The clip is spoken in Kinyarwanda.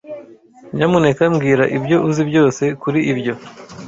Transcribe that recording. Nyamuneka mbwira ibyo uzi byose kuri ibyo.